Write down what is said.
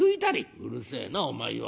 「うるせえなお前は。